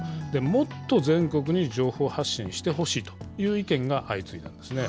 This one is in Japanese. もっと全国に情報発信してほしいという意見が相次いだんですね。